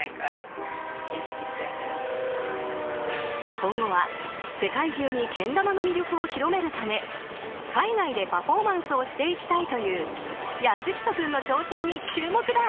今後は世界中にけん玉の魅力を広めるため海外でパフォーマンスをしていきたいという靖仁君の挑戦に注目だ。